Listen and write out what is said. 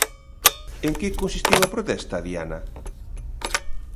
En que consistiu a protesta, Diana?